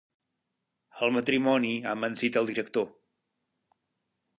El matrimoni ha amansit el director.